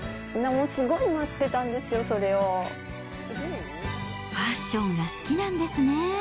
すごい待ってたんですよ、それをファッションが好きなんですね。